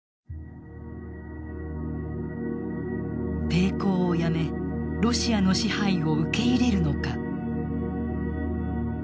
抵抗をやめロシアの支配を受け入れるのか。